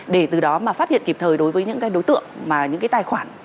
để từ đó mà phát hiện kịp thời đối với những cái đối tượng mà những cái tài khoản